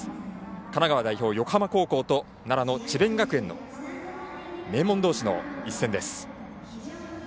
神奈川代表、横浜高校と奈良の智弁学園の名門同士の一戦です。